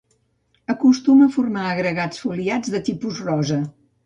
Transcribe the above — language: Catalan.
Acostuma a formar agregats foliats de tipus rosa.